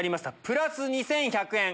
プラス２１００円。